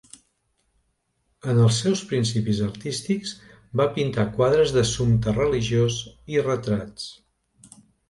En els seus principis artístics va pintar quadres d'assumpte religiós i retrats.